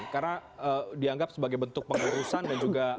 karena dianggap sebagai bentuk pengurusan dan juga